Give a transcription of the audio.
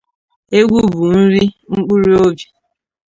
Egwu bụ nri mkpụrụobi